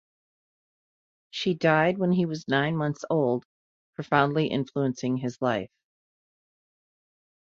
She died when he was nine months old, profoundly influencing his life.